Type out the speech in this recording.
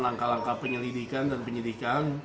langkah langkah penyelidikan dan penyidikan